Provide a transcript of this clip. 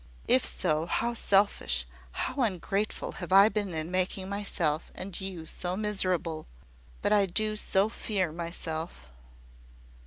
"If so, how selfish, how ungrateful have I been in making myself and you so miserable! But I do so fear myself!"